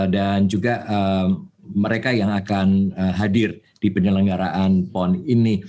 dan juga mereka yang akan hadir di penyelenggaraan pon ini